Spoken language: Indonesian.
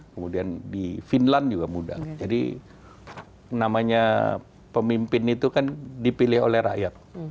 kemudian di finland juga muda jadi namanya pemimpin itu kan dipilih oleh rakyat